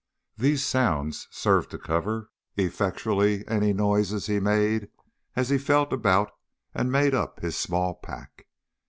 These sounds served to cover effectually any noises he made as he felt about and made up his small pack.